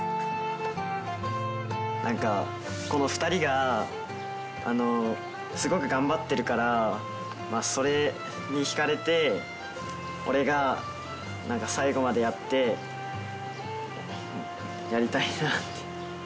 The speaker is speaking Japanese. なんかこの２人がすごく頑張ってるからそれに引かれて俺がなんか最後までやってやりたいなって。